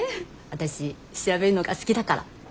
私調べるのが好きだから。